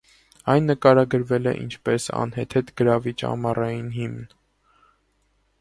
Այն նկարագրվել է, ինչպես «անհեթեթ, գրավիչ, ամառային հիմն»։